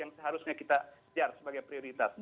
yang seharusnya kita kejar sebagai prioritas